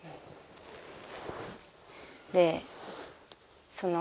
でその。